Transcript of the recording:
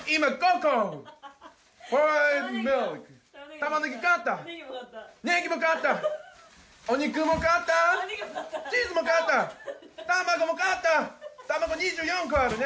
卵２４個あるね。